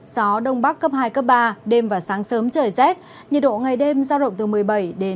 gió đông bắc cấp hai ba đêm và sáng sớm trời rét nhiệt độ ngày đêm giao động từ một mươi bảy hai mươi bốn độ